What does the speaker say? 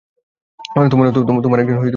তোমার একজন বাবার দরকার ছিল।